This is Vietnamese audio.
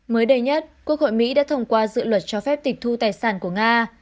mới đây nhất quốc hội mỹ đã thông qua dự luật cho phép tịch thu tài sản của nga